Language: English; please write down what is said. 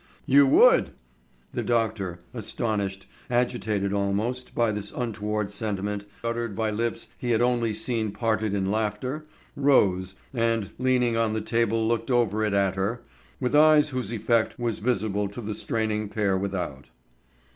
"You would!" The doctor, astonished, agitated almost, by this untoward sentiment uttered by lips he had only seen parted in laughter, rose, and leaning on the table looked over it at her, with eyes whose effect only was visible to the straining pair without.